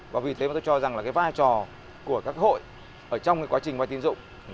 và vì thế mà tôi cho rằng là vai trò của các hội ở trong quá trình vai tiến dụng